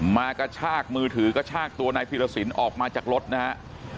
มากระชากมือถือกระชากตัวนายพีรสินออกมาจากรถนะฮะ